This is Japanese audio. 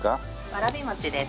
わらび餅です。